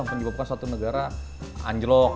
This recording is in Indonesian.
menyebabkan suatu negara anjlok